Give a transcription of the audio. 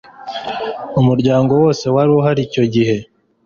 umuryango wose waruhari icyo gihe